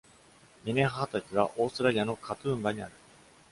ミネハハ滝はオーストラリアのカトゥーンバにある。